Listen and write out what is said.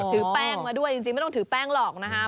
ถือแป้งมาด้วยจริงไม่ต้องถือแป้งหรอกนะคะ